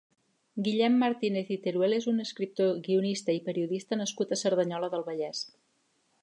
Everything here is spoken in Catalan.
Guillem Martínez i Teruel és un escriptor, guionista i periodista nascut a Cerdanyola del Vallès.